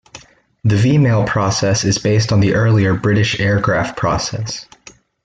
The V-mail process is based on the earlier British Airgraph process.